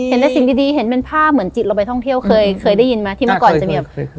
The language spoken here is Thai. เห็นแต่สิ่งดีเห็นเป็นภาพเหมือนจิตเราไปท่องเที่ยวเคยเคยได้ยินไหมที่เมื่อก่อนจะมีแบบ